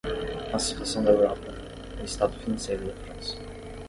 A situação da Europa - O estado financeiro da França